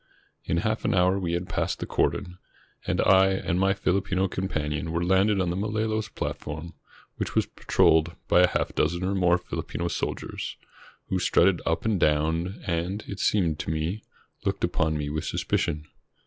In half an hour we had passed the cordon, and I and my FiUpino companion were landed on the Malolos plat form, which was patrolled by a half dozen or more Fihpino soldiers, who strutted up and down, and, it seemed to me, looked upon me with suspicion.